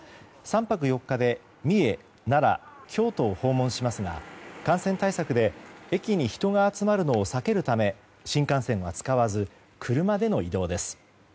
３泊４日で三重、奈良、京都を訪問しますが感染対策で駅に人が集まるのを避けるため新幹線は使わず車での移動です。